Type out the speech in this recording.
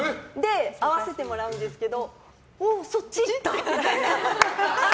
会わせてもらうんですけどおお、そっち？みたいな。